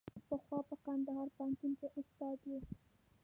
پخوا په کندهار پوهنتون کې استاد و.